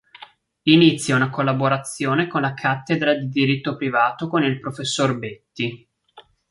Inizia una collaborazione con la cattedra di Diritto privato con il professor Betti.